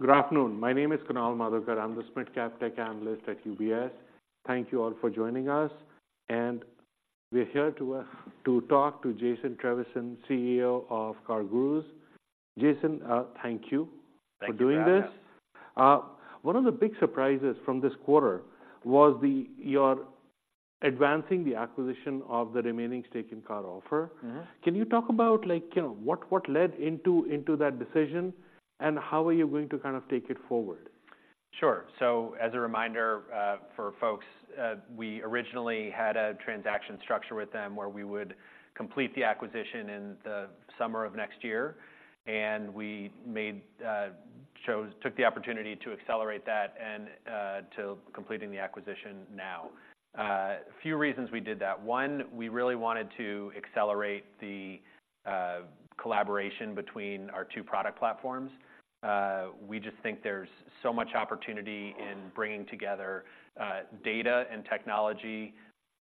Good afternoon. My name is Kunal Madhukar. I'm the SMID Cap tech analyst at UBS. Thank you all for joining us, and we're here to talk to Jason Trevisan, CEO of CarGurus. Jason, thank you- Thank you for having us. for doing this. One of the big surprises from this quarter was the... you're advancing the acquisition of the remaining stake in CarOffer. Mm-hmm. Can you talk about, like, you know, what, what led into, into that decision, and how are you going to kind of take it forward? Sure. So as a reminder, for folks, we originally had a transaction structure with them where we would complete the acquisition in the summer of next year, and we took the opportunity to accelerate that and to completing the acquisition now. A few reasons we did that. One, we really wanted to accelerate the collaboration between our two product platforms. We just think there's so much opportunity in bringing together data and technology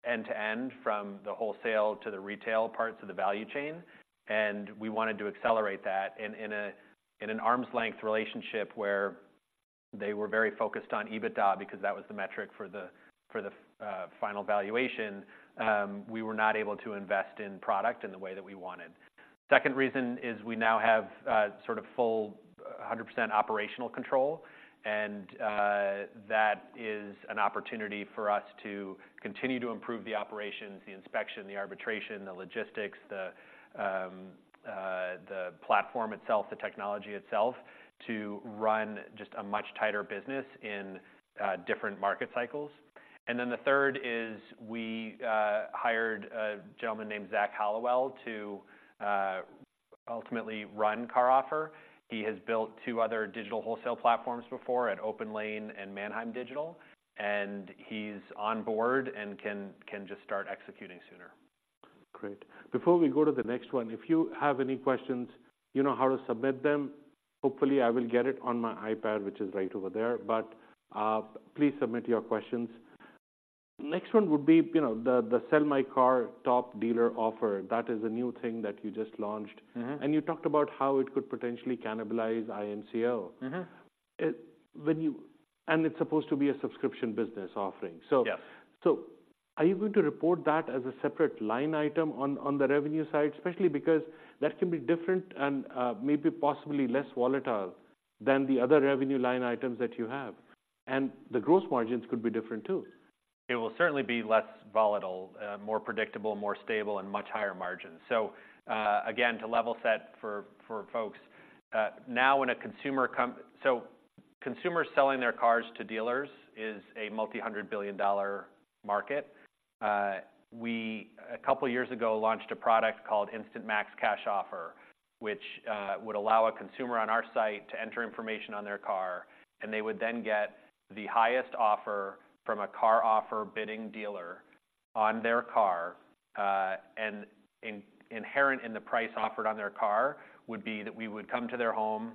end-to-end, from the wholesale to the retail parts of the value chain, and we wanted to accelerate that. In an arm's length relationship, where they were very focused on EBITDA, because that was the metric for the final valuation, we were not able to invest in product in the way that we wanted. Second reason is we now have sort of full 100% operational control, and that is an opportunity for us to continue to improve the operations, the inspection, the arbitration, the logistics, the platform itself, the technology itself, to run just a much tighter business in different market cycles. And then the third is we hired a gentleman named Zach Hallowell to ultimately run CarOffer. He has built two other digital wholesale platforms before at OPENLANE and Manheim Digital, and he's on board and can just start executing sooner. Great. Before we go to the next one, if you have any questions, you know how to submit them. Hopefully, I will get it on my iPad, which is right over there, but please submit your questions. Next one would be, you know, the Sell My Car Top Dealer Offer. That is a new thing that you just launched. Mm-hmm. You talked about how it could potentially cannibalize IMCO. Mm-hmm. And it's supposed to be a subscription business offering. Yes. So are you going to report that as a separate line item on the revenue side? Especially because that can be different and maybe possibly less volatile than the other revenue line items that you have. The gross margins could be different too. It will certainly be less volatile, more predictable, more stable, and much higher margin. So, again, to level set for folks, So consumers selling their cars to dealers is a $multi-hundred billion market. We, a couple of years ago, launched a product called Instant Max Cash Offer, which would allow a consumer on our site to enter information on their car, and they would then get the highest offer from a CarOffer bidding dealer on their car. And inherent in the price offered on their car would be that we would come to their home,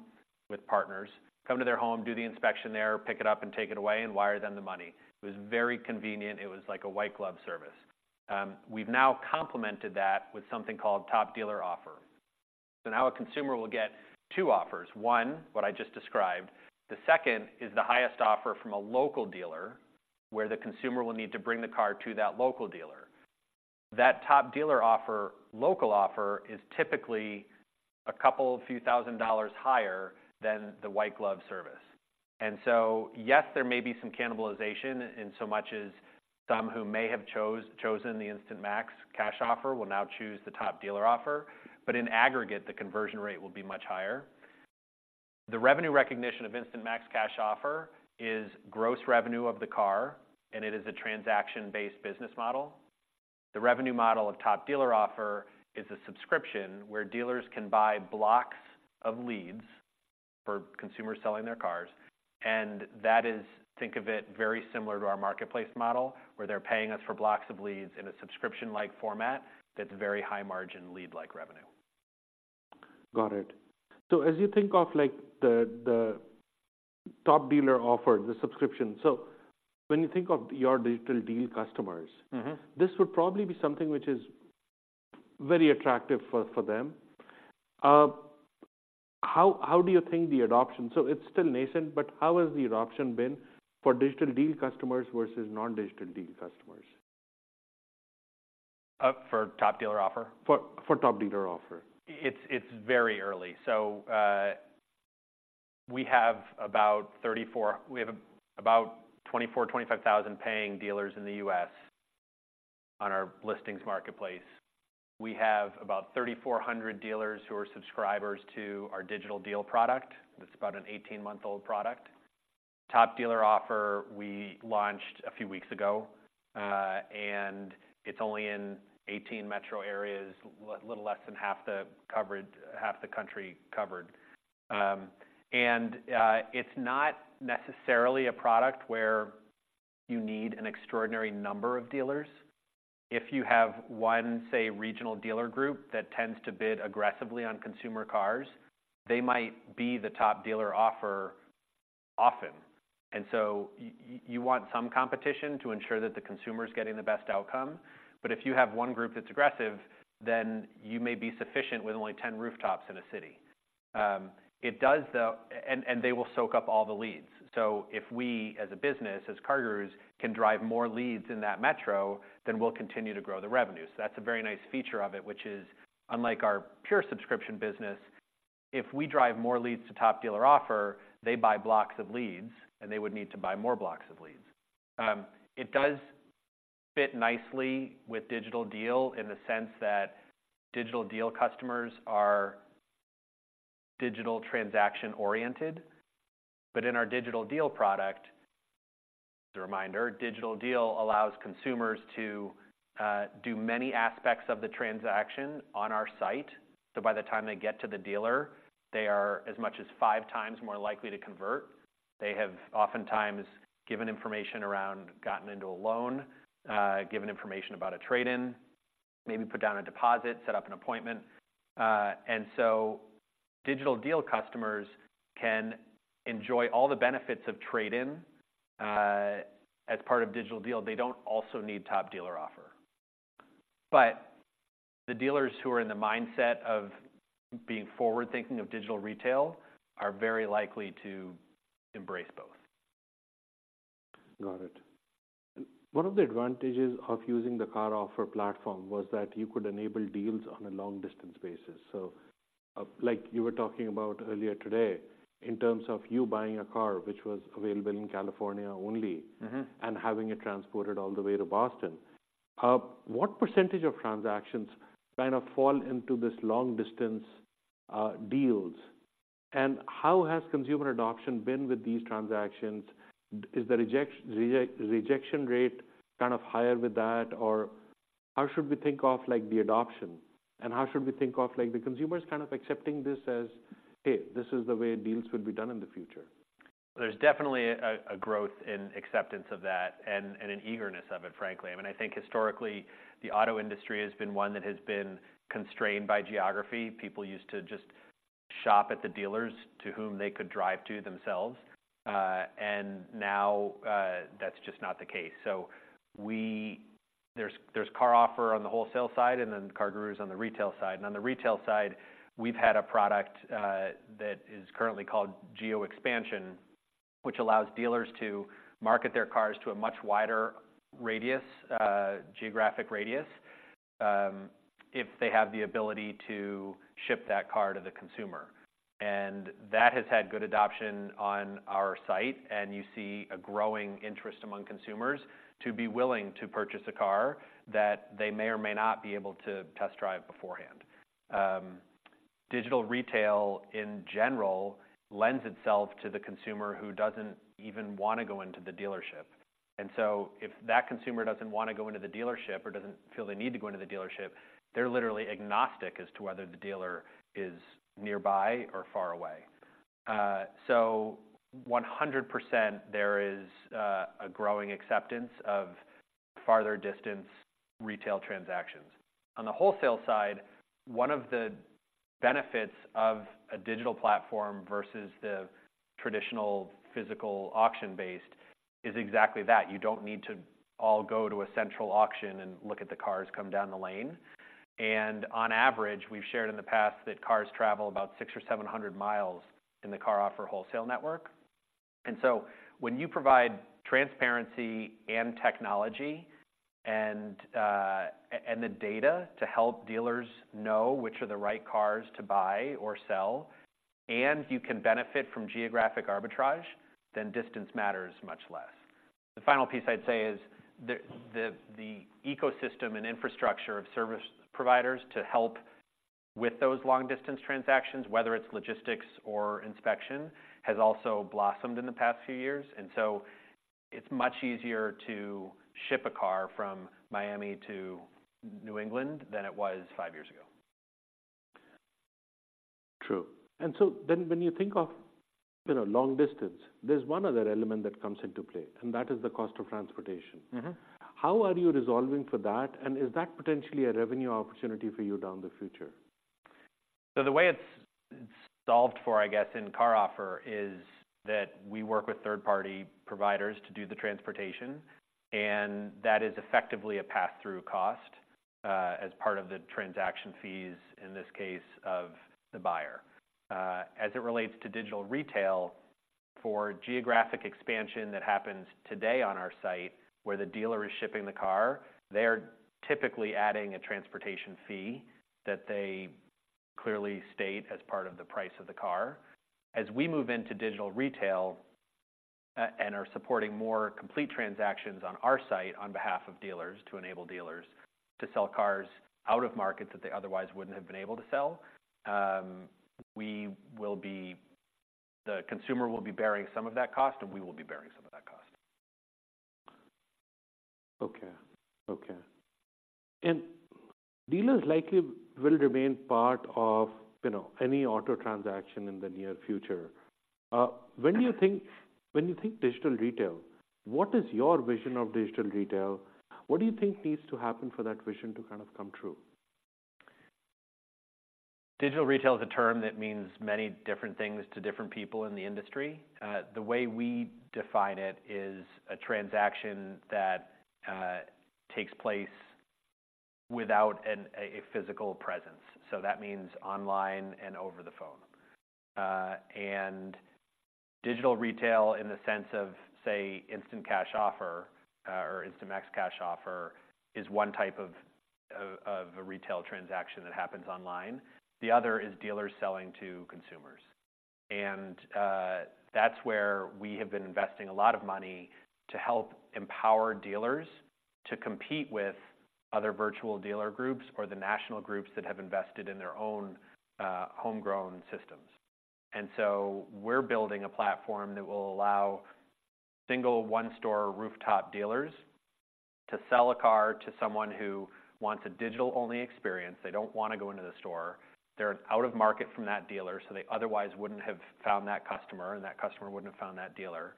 with partners, come to their home, do the inspection there, pick it up and take it away, and wire them the money. It was very convenient. It was like a white glove service. We've now complemented that with something called Top Dealer Offer. So now a consumer will get two offers: one, what I just described, the second is the highest offer from a local dealer, where the consumer will need to bring the car to that local dealer. That Top Dealer Offer, local offer, is typically a couple few thousand dollars higher than the white glove service. And so, yes, there may be some cannibalization insomuch as some who may have chosen the Instant Max Cash Offer will now choose the Top Dealer Offer, but in aggregate, the conversion rate will be much higher. The revenue recognition of Instant Max Cash Offer is gross revenue of the car, and it is a transaction-based business model. The revenue model of Top Dealer Offer is a subscription, where dealers can buy blocks of leads for consumers selling their cars, and that is, think of it, very similar to our marketplace model, where they're paying us for blocks of leads in a subscription-like format that's very high margin, lead-like revenue. Got it. So as you think of, like, the Top Dealer Offer, the subscription, so when you think of your Digital Deal customers- Mm-hmm. This would probably be something which is very attractive for, for them. How do you think the adoption... So it's still nascent, but how has the adoption been for Digital Deal customers versus non-Digital Deal customers? For Top Dealer Offer? For Top Dealer Offer. It's very early. So, we have about 24-25 thousand paying dealers in the U.S. on our listings marketplace. We have about 3,400 dealers who are subscribers to our Digital Deal product. That's about an 18-month-old product. Top Dealer Offer, we launched a few weeks ago, and it's only in 18 metro areas, a little less than half the coverage, half the country covered. And it's not necessarily a product where you need an extraordinary number of dealers. If you have one, say, regional dealer group that tends to bid aggressively on consumer cars, they might be the top dealer offer often. And so you want some competition to ensure that the consumer is getting the best outcome. But if you have one group that's aggressive, then you may be sufficient with only 10 rooftops in a city. It does, though. They will soak up all the leads. So if we, as a business, as CarGurus, can drive more leads in that metro, then we'll continue to grow the revenue. So that's a very nice feature of it, which is, unlike our pure subscription business, if we drive more leads to Top Dealer Offer, they buy blocks of leads, and they would need to buy more blocks of leads. It does fit nicely with Digital Deal in the sense that Digital Deal customers are digital transaction-oriented. But in our Digital Deal product, as a reminder, Digital Deal allows consumers to do many aspects of the transaction on our site, so by the time they get to the dealer, they are as much as five times more likely to convert. They have oftentimes given information around gotten into a loan, given information about a trade-in, maybe put down a deposit, set up an appointment. And so Digital Deal customers can enjoy all the benefits of trade-in as part of Digital Deal. They don't also need Top Dealer Offer. But the dealers who are in the mindset of being forward-thinking of digital retail are very likely to embrace both. Got it. One of the advantages of using the CarOffer platform was that you could enable deals on a long-distance basis. So, like you were talking about earlier today, in terms of you buying a car which was available in California only- Mm-hmm. and having it transported all the way to Boston. What percentage of transactions kind of fall into this long-distance deals? And how has consumer adoption been with these transactions? Is the rejection rate kind of higher with that? Or how should we think of, like, the adoption, and how should we think of, like, the consumers kind of accepting this as, "Hey, this is the way deals will be done in the future? There's definitely a growth in acceptance of that and an eagerness of it, frankly. I mean, I think historically, the auto industry has been one that has been constrained by geography. People used to just shop at the dealers to whom they could drive to themselves, and now that's just not the case. So there's CarOffer on the wholesale side and then CarGurus on the retail side. And on the retail side, we've had a product that is currently called Geo Expansion, which allows dealers to market their cars to a much wider radius, geographic radius, if they have the ability to ship that car to the consumer. That has had good adoption on our site, and you see a growing interest among consumers to be willing to purchase a car that they may or may not be able to test drive beforehand. Digital retail, in general, lends itself to the consumer who doesn't even want to go into the dealership. And so if that consumer doesn't want to go into the dealership or doesn't feel the need to go into the dealership, they're literally agnostic as to whether the dealer is nearby or far away. So 100%, there is a growing acceptance of farther distance retail transactions. On the wholesale side, one of the benefits of a digital platform versus the traditional physical auction-based is exactly that. You don't need to all go to a central auction and look at the cars come down the lane. And on average, we've shared in the past that cars travel about 600 or 700 miles in the CarOffer wholesale network. So when you provide transparency and technology and the data to help dealers know which are the right cars to buy or sell, and you can benefit from geographic arbitrage, then distance matters much less. The final piece I'd say is the ecosystem and infrastructure of service providers to help with those long-distance transactions, whether it's logistics or inspection, has also blossomed in the past few years, and so it's much easier to ship a car from Miami to New England than it was five years ago. True. And so then when you think of, you know, long distance, there's one other element that comes into play, and that is the cost of transportation. Mm-hmm. How are you resolving for that? Is that potentially a revenue opportunity for you down the future? So the way it's solved for, I guess, in CarOffer, is that we work with third-party providers to do the transportation, and that is effectively a pass-through cost, as part of the transaction fees, in this case, of the buyer. As it relates to digital retail, for geographic expansion that happens today on our site, where the dealer is shipping the car, they're typically adding a transportation fee that they clearly state as part of the price of the car. As we move into digital retail, and are supporting more complete transactions on our site on behalf of dealers, to enable dealers to sell cars out of markets that they otherwise wouldn't have been able to sell, we will be... The consumer will be bearing some of that cost, and we will be bearing some of that cost. Okay. Okay. And dealers likely will remain part of, you know, any auto transaction in the near future. When do you think- when you think digital retail, what is your vision of digital retail? What do you think needs to happen for that vision to kind of come true?... Digital retail is a term that means many different things to different people in the industry. The way we define it is a transaction that takes place without a physical presence. So that means online and over the phone. And digital retail in the sense of, say, Instant Cash Offer, or Instant Max Cash Offer, is one type of a retail transaction that happens online. The other is dealers selling to consumers. And that's where we have been investing a lot of money to help empower dealers to compete with other virtual dealer groups or the national groups that have invested in their own homegrown systems. And so we're building a platform that will allow single one-store rooftop dealers to sell a car to someone who wants a digital-only experience. They don't want to go into the store. They're out of market from that dealer, so they otherwise wouldn't have found that customer, and that customer wouldn't have found that dealer.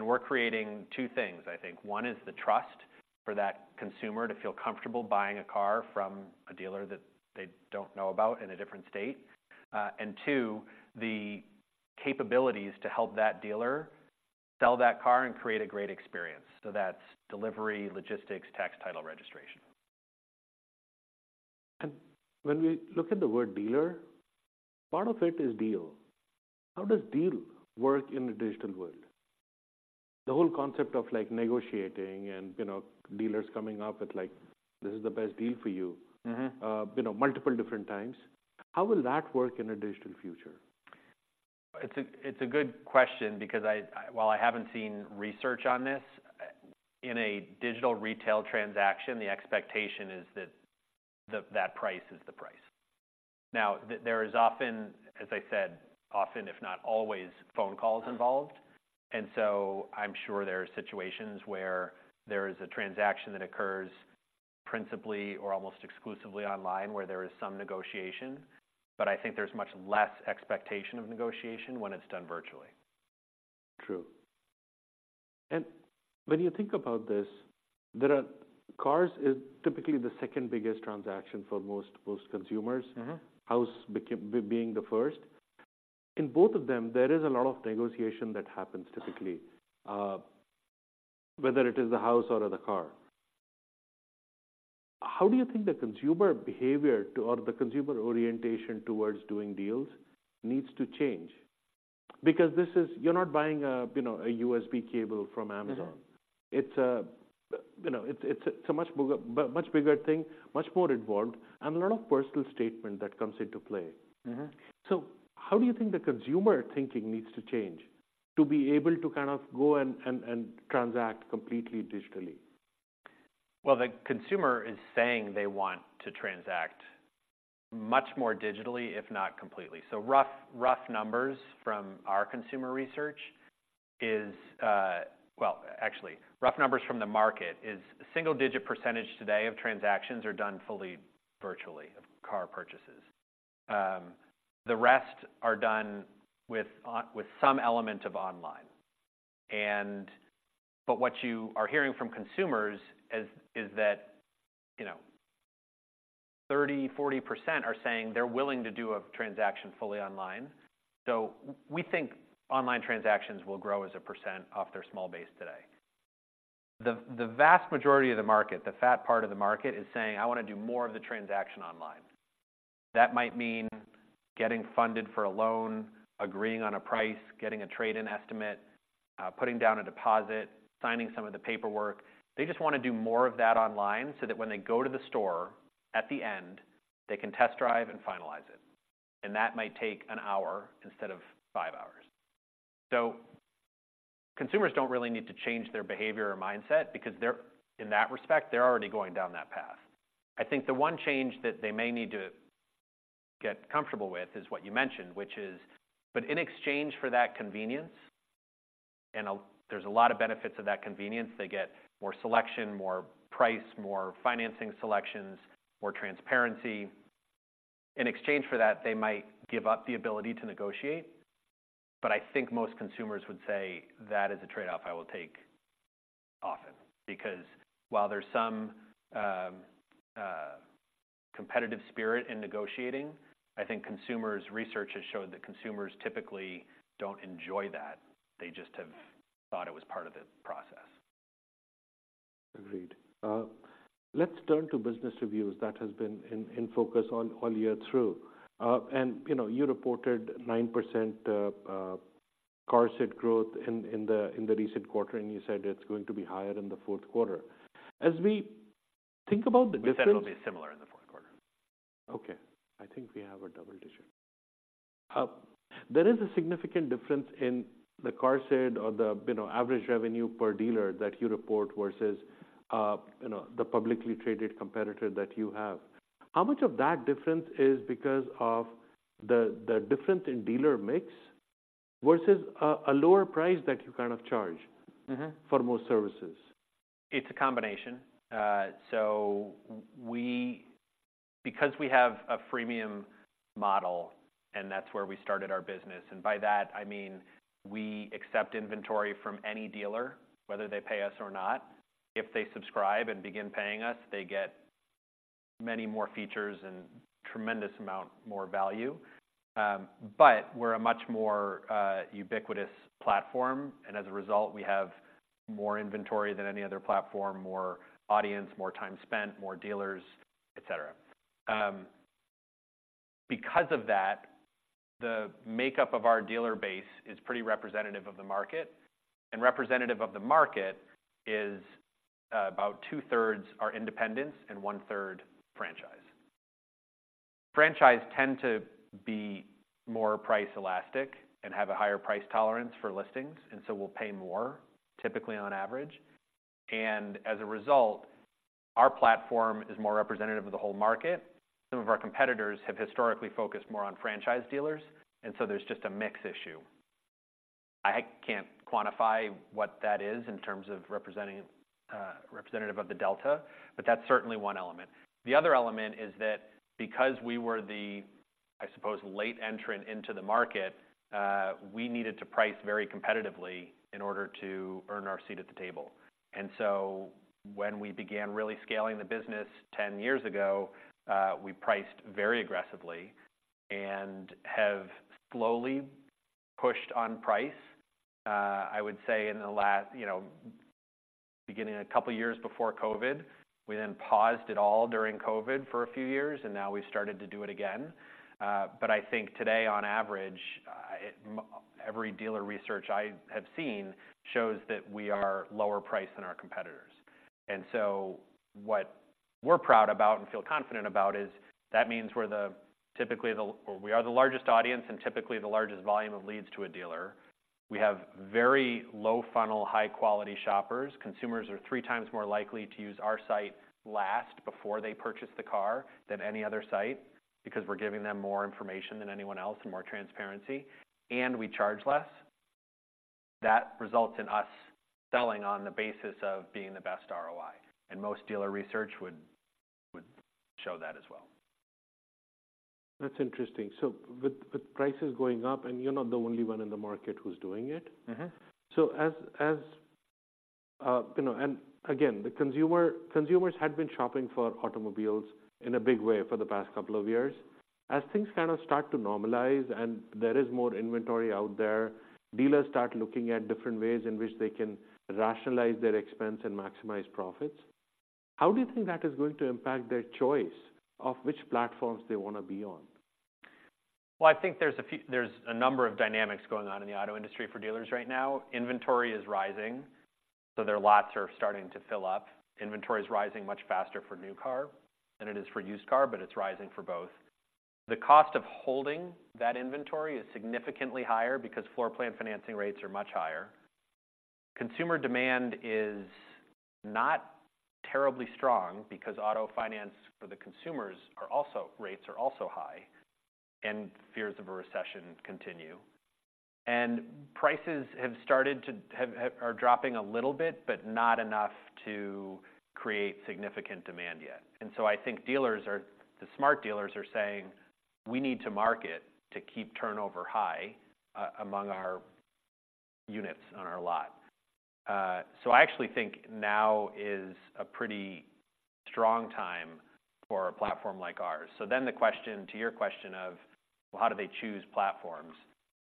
We're creating two things, I think. One is the trust for that consumer to feel comfortable buying a car from a dealer that they don't know about in a different state. And two, the capabilities to help that dealer sell that car and create a great experience. So that's delivery, logistics, tax, title, registration. When we look at the word dealer, part of it is deal. How does deal work in a digital world? The whole concept of, like, negotiating and, you know, dealers coming up with, like, "This is the best deal for you. Mm-hmm. You know, multiple different times. How will that work in a digital future? It's a good question because... While I haven't seen research on this, in a digital retail transaction, the expectation is that price is the price. Now, there is often, as I said, often, if not always, phone calls involved, and so I'm sure there are situations where there is a transaction that occurs principally or almost exclusively online, where there is some negotiation, but I think there's much less expectation of negotiation when it's done virtually. True. And when you think about this, there are cars is typically the second biggest transaction for most, most consumers- Mm-hmm. Buying a house, being the first. In both of them, there is a lot of negotiation that happens typically, whether it is the house or the car. How do you think the consumer behavior to or the consumer orientation towards doing deals needs to change? Because this is... You're not buying a, you know, a USB cable from Amazon. Mm-hmm. It's a, you know, it's a much bigger thing, much more involved, and a lot of personal statement that comes into play. Mm-hmm. How do you think the consumer thinking needs to change to be able to kind of go and transact completely digitally? Well, the consumer is saying they want to transact much more digitally, if not completely. So rough, rough numbers from our consumer research is. Well, actually, rough numbers from the market is a single-digit % today of transactions are done fully virtually, of car purchases. The rest are done with with some element of online. But what you are hearing from consumers is that, you know, 30%-40% are saying they're willing to do a transaction fully online. So we think online transactions will grow as a % off their small base today. The vast majority of the market, the fat part of the market, is saying, "I want to do more of the transaction online." That might mean getting funded for a loan, agreeing on a price, getting a trade-in estimate, putting down a deposit, signing some of the paperwork. They just want to do more of that online so that when they go to the store, at the end, they can test drive and finalize it, and that might take an hour instead of five hours. So consumers don't really need to change their behavior or mindset because they're in that respect, they're already going down that path. I think the one change that they may need to get comfortable with is what you mentioned, which is. But in exchange for that convenience, and there's a lot of benefits of that convenience, they get more selection, more price, more financing selections, more transparency. In exchange for that, they might give up the ability to negotiate. But I think most consumers would say, "That is a trade-off I will take often." Because while there's some competitive spirit in negotiating, I think consumers... Research has showed that consumers typically don't enjoy that. They just have thought it was part of the process. Agreed. Let's turn to business reviews. That has been in focus all year through. You know, you reported 9% QARSD growth in the recent quarter, and you said it's going to be higher in the fourth quarter. As we think about the difference- We said it'll be similar in the fourth quarter. Okay. I think we have a double digit. There is a significant difference in the QARSD or the, you know, average revenue per dealer that you report versus, you know, the publicly traded competitor that you have. How much of that difference is because of the, the difference in dealer mix versus a, a lower price that you kind of charge- Mm-hmm... for most services? It's a combination. So because we have a freemium model and that's where we started our business. And by that, I mean, we accept inventory from any dealer, whether they pay us or not. If they subscribe and begin paying us, they get many more features and tremendous amount more value. But we're a much more ubiquitous platform, and as a result, we have more inventory than any other platform, more audience, more time spent, more dealers, et cetera. Because of that, the makeup of our dealer base is pretty representative of the market, and representative of the market is about two-thirds are independents and one-third franchise. Franchise tend to be more price elastic and have a higher price tolerance for listings, and so will pay more, typically on average. And as a result, our platform is more representative of the whole market. Some of our competitors have historically focused more on franchise dealers, and so there's just a mix issue. I can't quantify what that is in terms of representing, representative of the delta, but that's certainly one element. The other element is that because we were the, I suppose, late entrant into the market, we needed to price very competitively in order to earn our seat at the table. And so when we began really scaling the business 10 years ago, we priced very aggressively and have slowly pushed on price. I would say in the last, you know, beginning a couple of years before COVID, we then paused it all during COVID for a few years, and now we've started to do it again. But I think today on average, every dealer research I have seen shows that we are lower price than our competitors. And so what we're proud about and feel confident about is that means we're typically the we are the largest audience and typically the largest volume of leads to a dealer. We have very low funnel, high quality shoppers. Consumers are three times more likely to use our site last before they purchase the car than any other site, because we're giving them more information than anyone else and more transparency, and we charge less. That results in us selling on the basis of being the best ROI, and most dealer research would show that as well. That's interesting. So with prices going up and you're not the only one in the market who's doing it- Mm-hmm. So, you know, and again, consumers had been shopping for automobiles in a big way for the past couple of years. As things kind of start to normalize and there is more inventory out there, dealers start looking at different ways in which they can rationalize their expense and maximize profits. How do you think that is going to impact their choice of which platforms they want to be on? Well, I think there's a number of dynamics going on in the auto industry for dealers right now. Inventory is rising, so their lots are starting to fill up. Inventory is rising much faster for new car than it is for used car, but it's rising for both. The cost of holding that inventory is significantly higher because floor plan financing rates are much higher. Consumer demand is not terribly strong because auto finance rates for the consumers are also high, and fears of a recession continue. Prices are dropping a little bit, but not enough to create significant demand yet. And so I think the smart dealers are saying, "We need to market to keep turnover high, among our units on our lot." So I actually think now is a pretty strong time for a platform like ours. So then the question, to your question of: well, how do they choose platforms?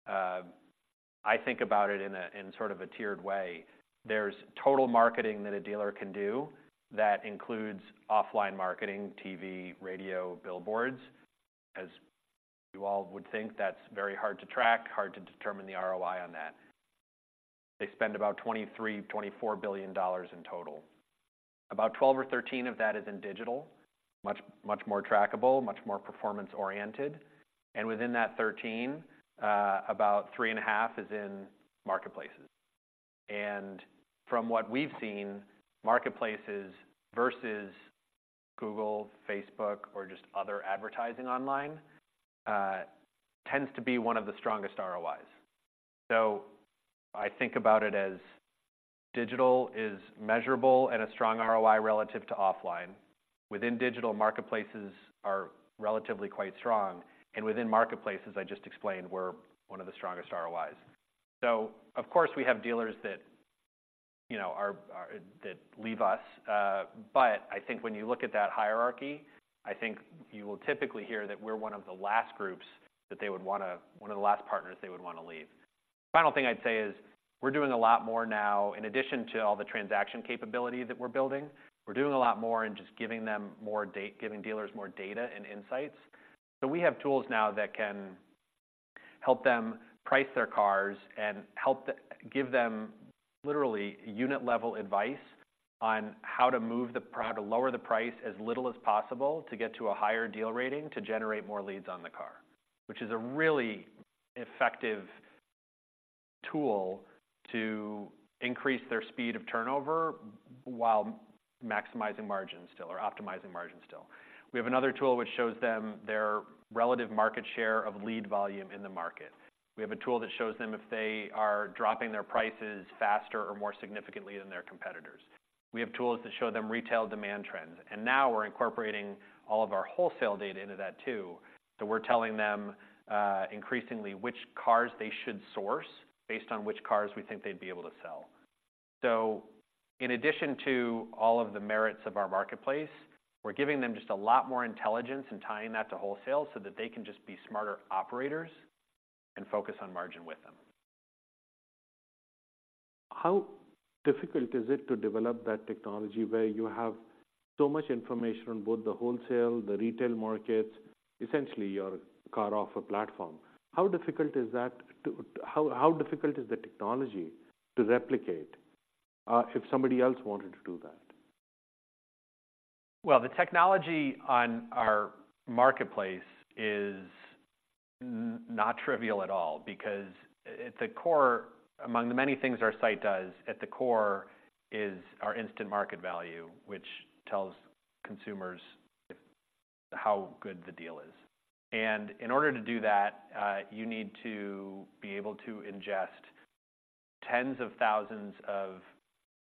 I think about it in sort of a tiered way. There's total marketing that a dealer can do that includes offline marketing, TV, radio, billboards. As you all would think, that's very hard to track, hard to determine the ROI on that. They spend about $23-$24 billion in total. About 12 or 13 of that is in digital, much, much more trackable, much more performance-oriented. And within that 13, about 3.5 is in marketplaces. And from what we've seen, marketplaces versus Google, Facebook, or just other advertising online tends to be one of the strongest ROIs. So I think about it as digital is measurable and a strong ROI relative to offline. Within digital, marketplaces are relatively quite strong, and within marketplaces, I just explained, we're one of the strongest ROIs. So of course, we have dealers that, you know, are that leave us, but I think when you look at that hierarchy, I think you will typically hear that we're one of the last groups that they would wanna one of the last partners they would wanna leave. Final thing I'd say is, we're doing a lot more now. In addition to all the transaction capability that we're building, we're doing a lot more in just giving them more giving dealers more data and insights. So we have tools now that can help them price their cars and help give them literally unit-level advice on how to lower the price as little as possible to get to a higher deal rating to generate more leads on the car. Which is a really effective tool to increase their speed of turnover while maximizing margins still or optimizing margins still. We have another tool which shows them their relative market share of lead volume in the market. We have a tool that shows them if they are dropping their prices faster or more significantly than their competitors. We have tools to show them retail demand trends, and now we're incorporating all of our wholesale data into that, too. So we're telling them, increasingly which cars they should source based on which cars we think they'd be able to sell. In addition to all of the merits of our marketplace, we're giving them just a lot more intelligence and tying that to wholesale so that they can just be smarter operators and focus on margin with them. How difficult is it to develop that technology where you have so much information on both the wholesale, the retail markets, essentially your CarOffer platform? How difficult is the technology to replicate, if somebody else wanted to do that? Well, the technology on our marketplace is not trivial at all, because at the core, among the many things our site does, at the core is our Instant Market Value, which tells consumers if how good the deal is. And in order to do that, you need to be able to ingest tens of thousands of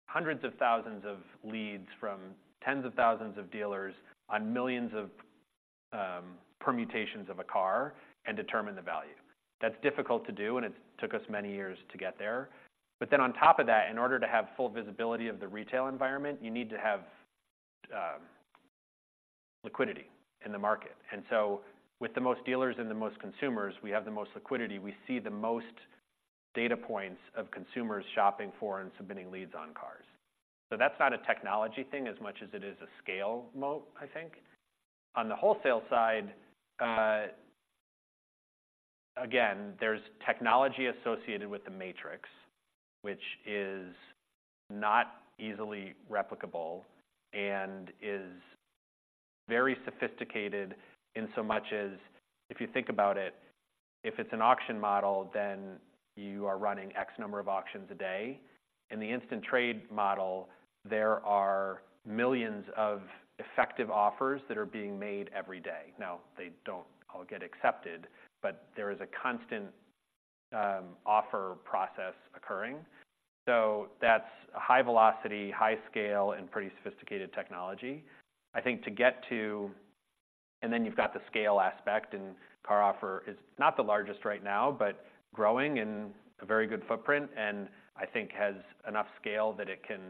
hundreds of thousands of leads from tens of thousands of dealers on millions of permutations of a car and determine the value. That's difficult to do, and it took us many years to get there. But then on top of that, in order to have full visibility of the retail environment, you need to have liquidity in the market. And so with the most dealers and the most consumers, we have the most liquidity. We see the most data points of consumers shopping for and submitting leads on cars. So that's not a technology thing as much as it is a scale moat, I think. On the wholesale side, again, there's technology associated with the Matrix, which is not easily replicable and is very sophisticated in so much as... If you think about it, if it's an auction model, then you are running X number of auctions a day. In the Instant Trade Model, there are millions of effective offers that are being made every day. Now, they don't all get accepted, but there is a constant, offer process occurring. So that's a high velocity, high scale, and pretty sophisticated technology. I think to get to, and then you've got the scale aspect, and CarOffer is not the largest right now, but growing and a very good footprint, and I think has enough scale that it can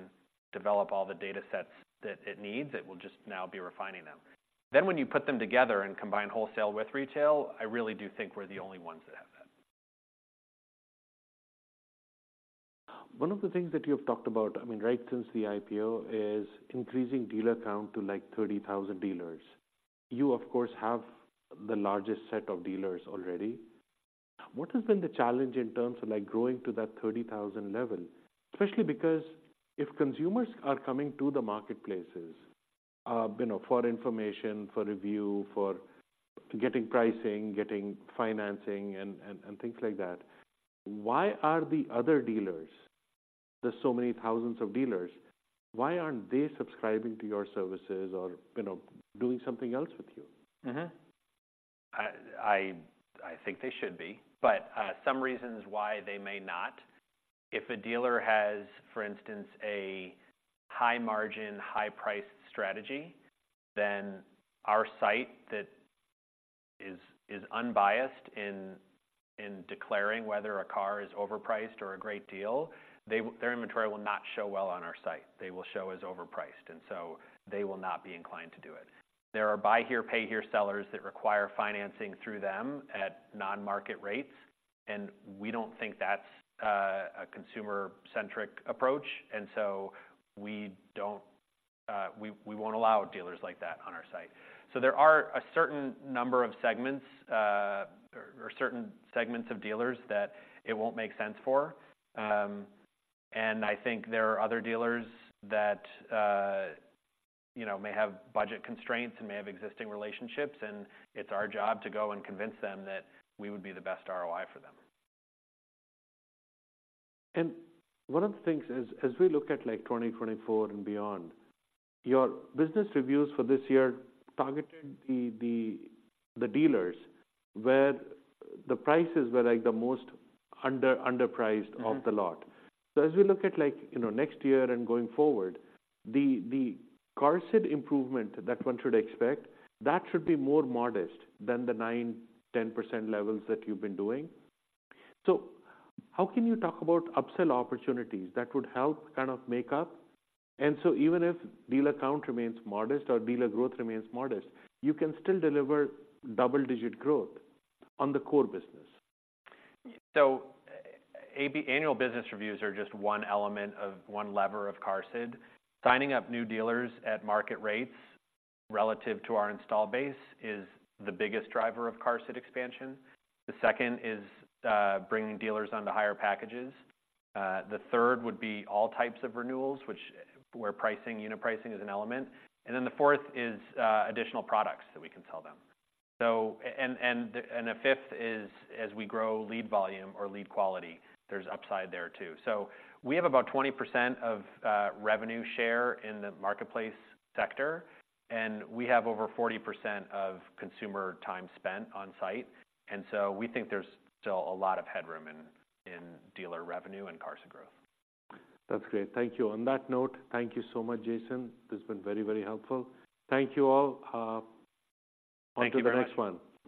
develop all the data sets that it needs. It will just now be refining them. Then when you put them together and combine wholesale with retail, I really do think we're the only ones that have that. One of the things that you've talked about, I mean, right since the IPO, is increasing dealer count to, like, 30,000 dealers. You, of course, have the largest set of dealers already. What has been the challenge in terms of, like, growing to that 30,000 level? Especially because if consumers are coming to the marketplaces, you know, for information, for review, for getting pricing, getting financing, and things like that, why are the other dealers, there's so many thousands of dealers, why aren't they subscribing to your services or, you know, doing something else with you? Mm-hmm. I think they should be, but some reasons why they may not. If a dealer has, for instance, a high margin, high price strategy, then our site that is unbiased in declaring whether a car is overpriced or a great deal, their inventory will not show well on our site. They will show as overpriced, and so they will not be inclined to do it. There are buy here, pay here sellers that require financing through them at non-market rates, and we don't think that's a consumer-centric approach, and so we don't we won't allow dealers like that on our site. So there are a certain number of segments, or certain segments of dealers that it won't make sense for. I think there are other dealers that, you know, may have budget constraints and may have existing relationships, and it's our job to go and convince them that we would be the best ROI for them. One of the things is, as we look at like 2044 and beyond, your business reviews for this year targeted the dealers, where the prices were like the most underpriced- Mm-hmm... of the lot. So as we look at like, you know, next year and going forward, the QARSD improvement that one should expect, that should be more modest than the 9%-10% levels that you've been doing. So how can you talk about upsell opportunities that would help kind of make up? And so even if dealer count remains modest or dealer growth remains modest, you can still deliver double-digit growth on the core business. So annual business reviews are just one element of one lever of QARSD. Signing up new dealers at market rates relative to our install base is the biggest driver of QARSD expansion. The second is bringing dealers onto higher packages. The third would be all types of renewals, which, where pricing, unit pricing is an element. And then the fourth is additional products that we can sell them. So, and a fifth is, as we grow lead volume or lead quality, there's upside there too. So we have about 20% of revenue share in the marketplace sector, and we have over 40% of consumer time spent on site. And so we think there's still a lot of headroom in dealer revenue and QARSD growth. That's great. Thank you. On that note, thank you so much, Jason. This has been very, very helpful. Thank you all. Onto the next one.